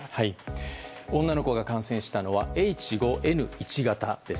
女の子が感染したのはＨ５Ｎ１型です。